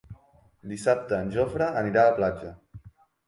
Dissabte en Jofre anirà a la platja.